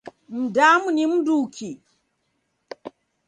Mdamu ni mnduki?